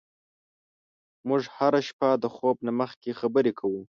موږ هره شپه د خوب نه مخکې خبرې کوو.